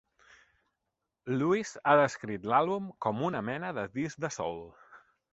Lewis ha descrit l'àlbum com una "mena de disc de soul".